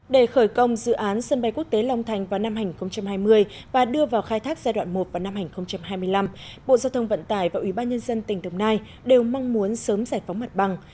để khởi công dự án sân bay quốc tế long thành vào năm hai nghìn hai mươi và đưa vào khai thác giai đoạn một vào năm hai nghìn hai mươi năm bộ giao thông vận tải và ủy ban nhân dân tỉnh đồng nai đều mong muốn sớm giải phóng mặt bằng